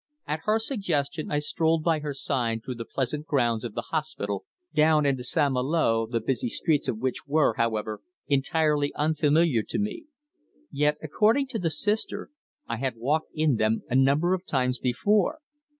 At her suggestion I strolled by her side through the pleasant grounds of the hospital, down into St. Malo, the busy streets of which were, however, entirely unfamiliar to me. Yet, according to the Sister, I had walked in them a number of times before.